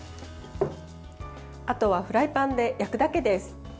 あとはフライパンで焼くだけです。